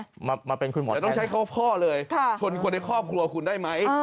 อยากจะต้องใช้เข้าพ่อเลยทนคนในครอบครัวคุณได้ไหม